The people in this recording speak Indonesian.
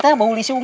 kita mau lisung